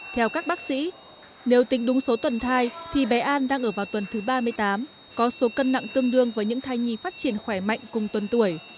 theo các bác sĩ nếu tính đúng số tuần thai thì bé an đang ở vào tuần thứ ba mươi tám có số cân nặng tương đương với những thai nhi phát triển khỏe mạnh cùng tuần tuổi